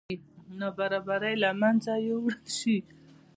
نابرابرۍ له منځه یوړل شي.